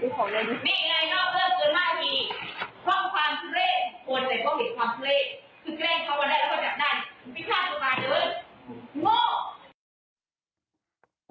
คือแกล้งเขามาได้แล้วก็จับได้ไม่ฆ่าตัวตายเลยโง่